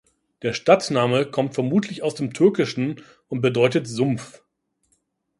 Der Stadtname kommt vermutlich aus dem Türkischen und bedeutet Sumpf.